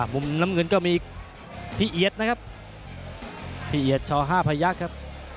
มุมน้ำเงินก็มีพี่เอียดนะครับพี่เอียดช๕พยักษ์ครับ